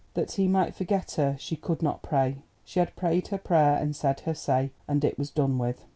That he might forget her she could not pray. She had prayed her prayer and said her say, and it was done with.